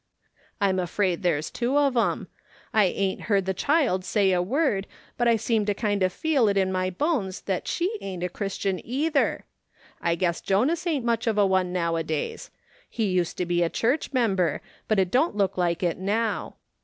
I'm afraid there's two of 'em. I ain't lieard the cliihl say a word, hut I seem to kind of feel it in my bones that ^lie ain't a Christian either. I guess Jonas ain't much of a one nowadays ; he used to he a church memher, but it don't look like it now.